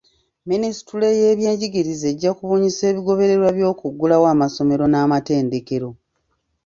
Minisitule y'ebyenjigiriza ejja kubunyisa ebigobererwa by'okuggulawo amasomero n'amatendekero.